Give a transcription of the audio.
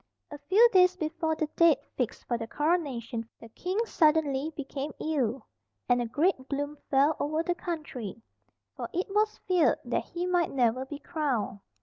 A few days before the date fixed for the Coronation the king suddenly became ill, and a great gloom fell over the country, for it was feared that he might never be crowned.